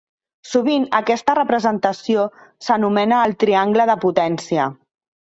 Sovint aquesta representació s'anomena el "triangle de potència".